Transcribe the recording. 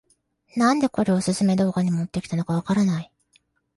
なんでこれをオススメ動画に持ってきたのかわからない